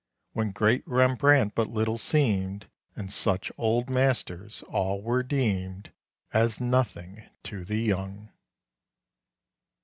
When great Rembrandt but little seemed, And such Old Masters all were deemed As nothing to the young!